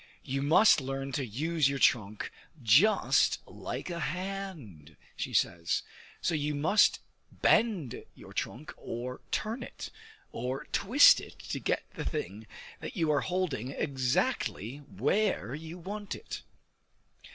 "You must learn to use your trunk just like a hand," she says. "So you must bend your trunk, or turn it, or twist it, to get the thing you are holding exactly where you want it."